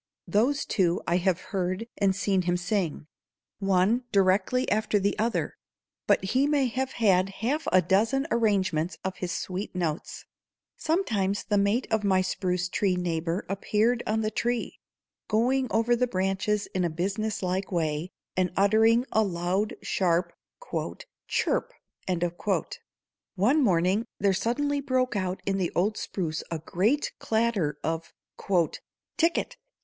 Those two I have heard and seen him sing, one directly after the other, but he may have had half a dozen arrangements of his sweet notes. Sometimes the mate of my spruce tree neighbor appeared on the tree, going over the branches in a businesslike way, and uttering a loud, sharp "chip." One morning there suddenly broke out in the old spruce a great clatter of "tick et!